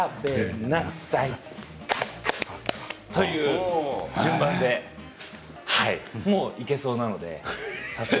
こういう順番でもういけそうなので早速。